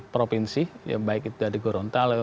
provinsi ya baik itu dari gorontalo